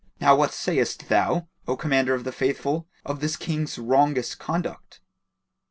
Now what sayest thou, O Commander of the Faithful, of this King's wrongous conduct?"